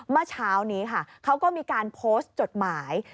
เมื่อเช้านี้ค่ะเขาก็มีการโพสต์จดหมาย